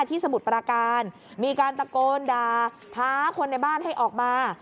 สมุทรปราการมีการตะโกนด่าท้าคนในบ้านให้ออกมา